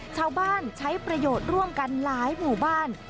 ใช้ประโยชน์ร่วมกันหลายหมู่บ้าน